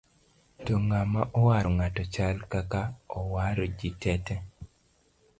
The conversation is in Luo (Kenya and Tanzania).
to ng'ama owaro ng'ato chal kaka owaro ji te te